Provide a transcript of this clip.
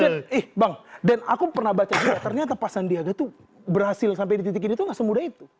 dan eh bang dan aku pernah baca juga ternyata pak sandiaga tuh berhasil sampai di titik ini tuh gak semudah itu